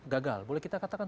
gagal boleh kita katakan